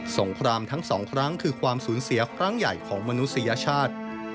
งครามทั้งสองครั้งคือความสูญเสียครั้งใหญ่ของมนุษยชาติ